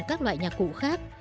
các loại nhạc cụ khác